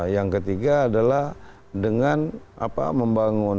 yang ketiga adalah dengan membangun